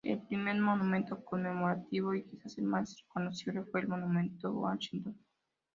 El primer monumento conmemorativo, y quizás el más reconocible, fue el Monumento a Washington.